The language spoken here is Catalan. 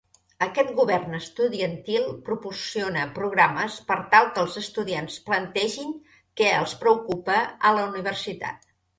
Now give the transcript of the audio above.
Aquest govern estudiantil proporciona programes per tal que els estudiants plantegin què els preocupa a la universitat.